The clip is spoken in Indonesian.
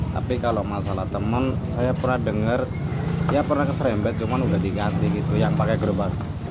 tapi kalau masalah teman saya pernah dengar ya pernah keserempet cuman udah diganti gitu yang pakai gerobak